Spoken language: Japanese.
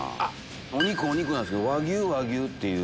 お肉お肉なんですけど和牛和牛っていう。